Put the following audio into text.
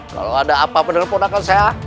kalau ada apa apa dengan ponakan saya